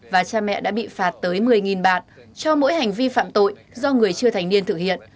và cha mẹ đã bị phạt tới một mươi bạt cho mỗi hành vi phạm tội do người chưa thành niên thực hiện